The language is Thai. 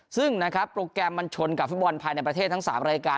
ซึ่งนะครับโปรแกรมมันชนกับฟุตบอลภายในประเทศทั้ง๓รายการ